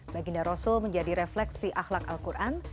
baginda rasul menjadi refleksi ahlak al quran